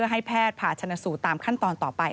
งดไทยในประเภทผ่าฉนสูตรตามขั้นตอนต่อไป